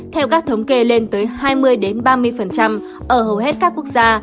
theo các thống kê lên tới hai mươi ba mươi ở hầu hết các quốc gia